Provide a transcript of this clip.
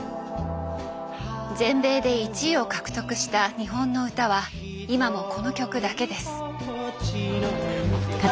全米で１位を獲得した日本の歌は今もこの曲だけです。